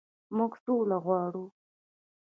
موږ سوله غواړو